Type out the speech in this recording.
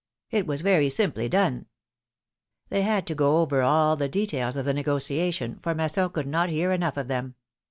It was very simply done." They had to go over all the details of the negotiation, for Masson could not hear enough of them.